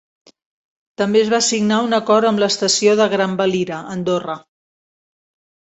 També es va signar un acord amb l'estació de Grandvalira, a Andorra.